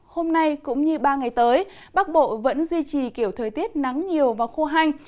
hôm nay cũng như ba ngày tới bắc bộ vẫn duy trì kiểu thời tiết nắng nhiều và khô hanh